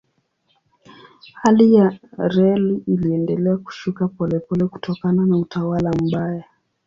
Hali ya reli iliendelea kushuka polepole kutokana na utawala mbaya.